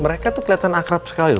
mereka tuh kelihatan akrab sekali loh